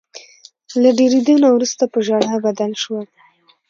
له ډیریدو نه وروسته په ژړا بدل شول.